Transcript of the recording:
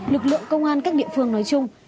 lực lượng công an các địa phương nói chung